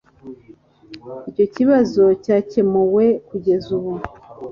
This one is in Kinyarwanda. Icyo kibazo cyakemuwe kugeza ubu